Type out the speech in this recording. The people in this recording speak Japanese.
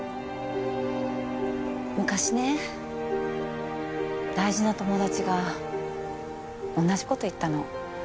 昔ね大事な友達が同じこと言ったの。